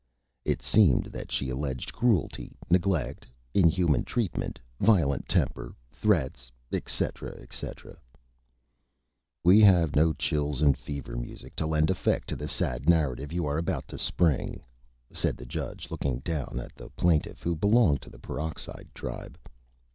It seemed that she alleged Cruelty, Neglect, Inhuman Treatment, Violent Temper, Threats, etc., etc. "We have no Chills and Fever Music to lend Effect to the Sad Narrative you are about to Spring," said the Judge, looking down at the Plaintiff, who belonged to the Peroxide Tribe.